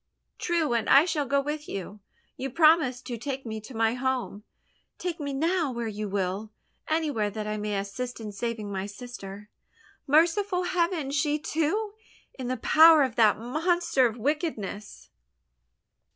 "True and I shall go with you. You promised to take me to my home! Take me now where you will anywhere that I may assist in saving my sister. Merciful heaven! She, too, in the power of that monster of wickedness!"